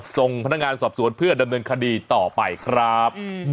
ส่งพนักงานสอบสวนเพื่อดำเนินคดีต่อไปครับ